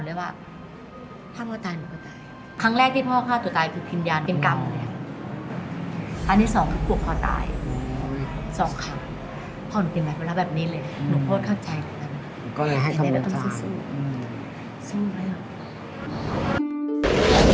ก็เลยให้คำนวณภาพอืมสำหรับ